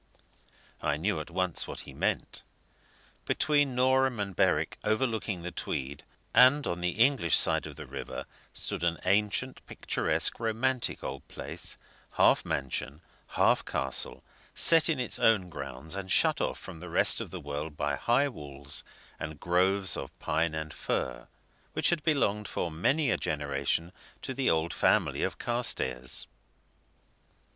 I knew at once what he meant. Between Norham and Berwick, overlooking the Tweed, and on the English side of the river, stood an ancient, picturesque, romantic old place, half mansion, half castle, set in its own grounds, and shut off from the rest of the world by high walls and groves of pine and fir, which had belonged for many a generation to the old family of Carstairs.